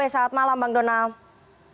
selamat malam bang donald